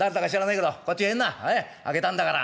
え開けたんだから。